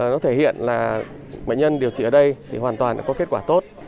nó thể hiện là bệnh nhân điều trị ở đây thì hoàn toàn có kết quả tốt